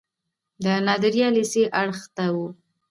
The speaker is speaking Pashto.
د نادریه لیسې اړخ ته و.